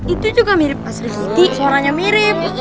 itu juga mirip pas reviti suaranya mirip